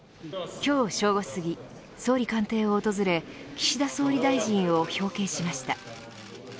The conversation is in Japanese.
今日正午すぎ総理官邸を訪れ岸田総理大臣を表敬しました。